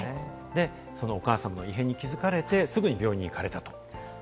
そのお母さんの異変に気づかれて、すぐ病院に行かれたと。